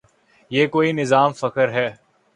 یہ کوئی نظام فکر ہے۔